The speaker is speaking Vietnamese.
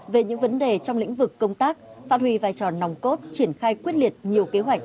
về những vấn đề trong lĩnh vực công tác phát huy vai trò nòng cốt triển khai quyết liệt nhiều kế hoạch